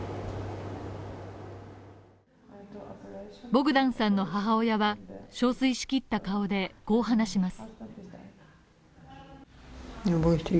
ボグダンさんの母親はしょうすいしきった顔で、こう話します。